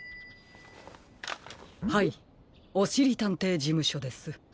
☎はいおしりたんていじむしょです。